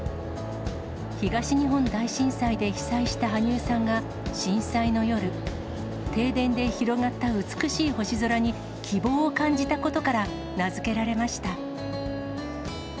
東日本大震災で被災した羽生さんが、震災の夜、停電で広がった美しい星空に希望を感じたことから名付けられました。